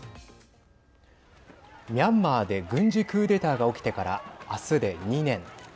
ミャンマーで軍事クーデターが起きてから明日で２年。